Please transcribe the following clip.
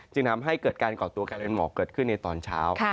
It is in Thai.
จึงทำให้เกิดการก่อตัวกลายเป็นหมอกเกิดขึ้นในตอนเช้า